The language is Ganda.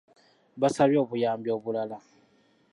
Baasabye obuyambi obulala.